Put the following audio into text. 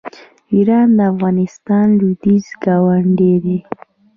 ایران د افغانستان لویدیځ ګاونډی دی.